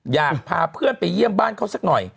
อยากพาเพื่อนไปเยี่ยมบ้านเขาสักหน่อย